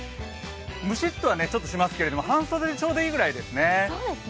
むしっとはちょっとしますけど、半袖でちょうどいいぐらいですね。